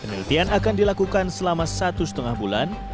penelitian akan dilakukan selama satu setengah bulan